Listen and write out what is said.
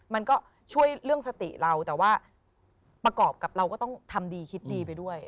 มันก็ช่วยเรื่องสติเราแต่ว่าประกอบกับเราก็ต้องทำดีคิดดีไปด้วย